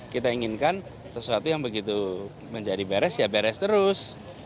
kita inginkan sesuatu yang begitu menjadi beres ya beres terus